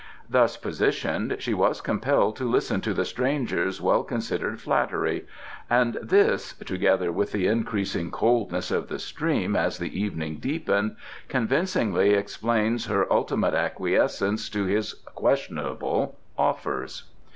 Thus positioned, she was compelled to listen to the stranger's well considered flattery, and this (together with the increasing coldness of the stream as the evening deepened) convincingly explains her ultimate acquiescence to his questionable offers.